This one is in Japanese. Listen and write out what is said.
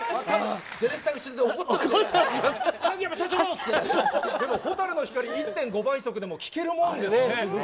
ディレクター、後ろで怒ってでも蛍の光、１．５倍速でも聴けるもんですね。